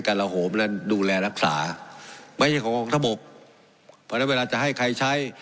ระโหมและดูแลรักษาไม่ใช่ของกองทบกเพราะฉะนั้นเวลาจะให้ใครใช้